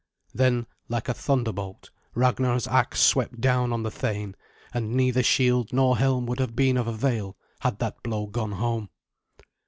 Then, like a thunderbolt, Ragnar's axe swept down on the thane, and neither shield nor helm would have been of avail had that blow gone home.